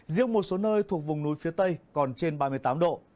riêng một số nơi thuộc vùng núi phía tây còn trên ba mươi tám độ